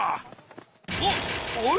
あっあれ？